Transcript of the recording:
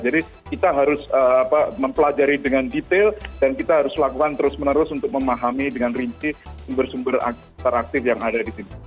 jadi kita harus mempelajari dengan detail dan kita harus lakukan terus menerus untuk memahami dengan rinci sumber sumber teraktif yang ada di sini